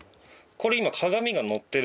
これ今。